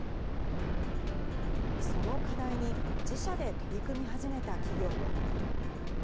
その課題に、自社で取り組み始めた企業も。